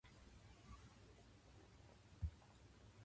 豊作の年には政府が米を買い上げ、それを凶作の年に安く売ること。